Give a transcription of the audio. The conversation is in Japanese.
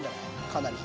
かなり。